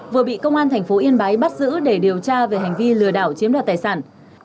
vừa bị công an tp yên bái bắt giữ để điều tra về hành vi lừa đảo chiếm đất tài sản